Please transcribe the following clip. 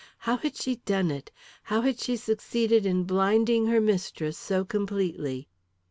How had she done it? How had she succeeded in blinding her mistress so completely?